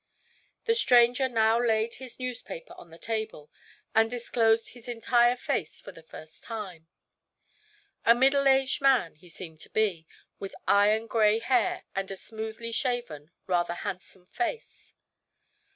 The stranger now laid his newspaper on the table and disclosed his entire face for the first time. A middle aged man, he seemed to be, with iron gray hair and a smoothly shaven, rather handsome face.